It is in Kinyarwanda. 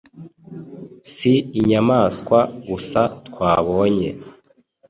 Si inyamaswa gusa twabonye